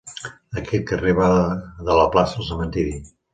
Aquest carrer va de la plaça al cementiri.